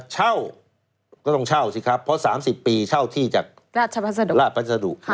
เช่าก็ต้องเช่าสิครับเพราะ๓๐ปีเช่าที่จากราชพัสดุ